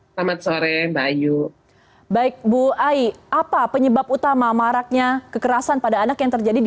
selamat sore mbak ayu baik bu ai apa penyebab utama maraknya kekerasan pada anak yang terjadi di